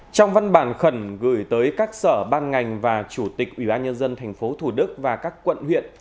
trong văn bản khẩn gửi tới các sở bang ngành và chủ tịch ủy ban nhân dân thành phố thủ đức và các quận huyện